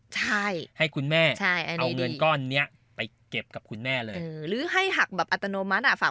ใช่ให้คุณแม่เอาเงินก้อนนี้ไปเก็บกับคุณแน่เลยหรือให้หักแบบอัตโนมัติอ่ะฝาก